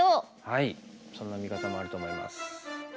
そんな見方もあると思います。